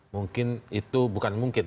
mungkin itu bukan mungkin